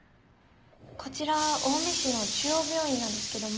こちら青梅市の中央病院なんですけども。